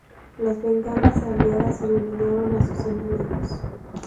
Las bengalas aliadas iluminaron a sus enemigos.